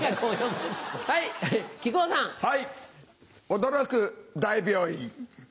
驚く大病院。